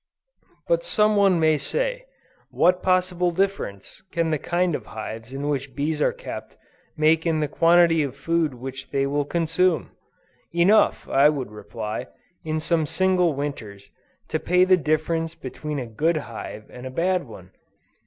But some one may say, "What possible difference can the kind of hives in which bees are kept make in the quantity of food which they will consume?" Enough, I would reply, in some single winters, to pay the difference between a good hive and a bad one!